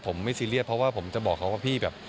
ผมไม่ซีเรียสเพราะว่าผมจะบอกเขาว่าพี่แบบ